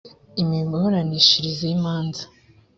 imiburanishirize y’imanza